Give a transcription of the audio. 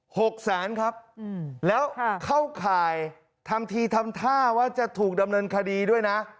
หกแสนครับอืมแล้วค่ะเข้าข่ายทำทีทำท่าว่าจะถูกดำเนินคดีด้วยนะ